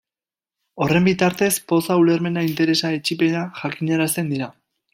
Horren bitartez, poza, ulermena, interesa, etsipena... jakinarazten dira.